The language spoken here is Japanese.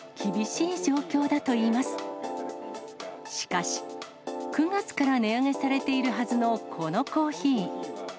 しかし、９月から値上げされているはずのこのコーヒー。